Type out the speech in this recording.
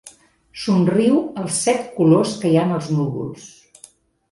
Somriu als set colors que hi ha en els núvols.